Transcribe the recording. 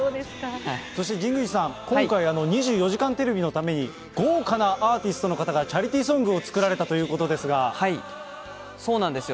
そして、神宮寺さん、今回、２４時間テレビのために、豪華なアーティストの方がチャリティーソングを作られたというこそうなんですよ。